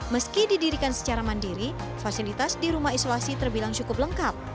meski didirikan secara mandiri fasilitas di rumah isolasi terbilang cukup lengkap